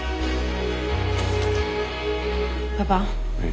パパ。